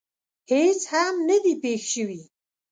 هېڅ هم نه دي پېښ شوي.